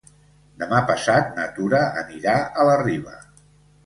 Demà passat na Tura anirà a la Riba.